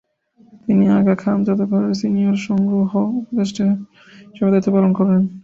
তিনি আগা খান জাদুঘরের সিনিয়র সংগ্রহ উপদেষ্টা হিসেবে দায়িত্ব পালন করেছেন।